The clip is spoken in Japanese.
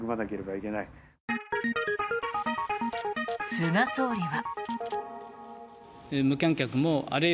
菅総理は。